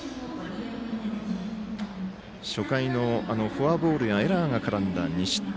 初回のフォアボールやエラーが絡んだ２失点。